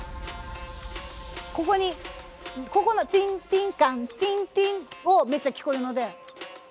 ここにここの「ティンティンカンティンティン」をめっちゃ聞こえるので。